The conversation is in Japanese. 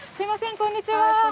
こんにちは。